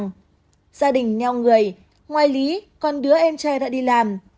gia đình nhau người ngoài lý con đứa em trai đã đi làm